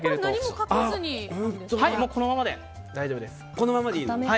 このままで大丈夫です。